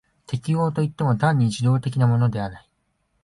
適応といっても単に受動的なものでない。